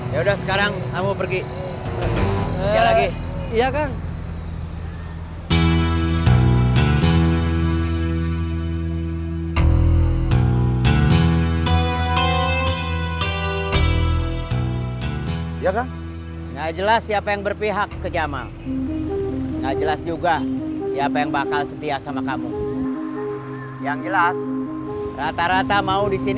ya udah sekarang kamu pergi